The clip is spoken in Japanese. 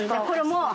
これも。